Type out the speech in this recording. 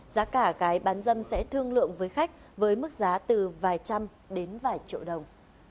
giá cả gái bán dâm sẽ thương lượng với khách với mức giá từ vài trăm đến vài triệu đồng